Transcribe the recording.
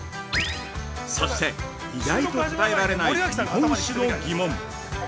◆そして、意外と答えられない日本酒の疑問。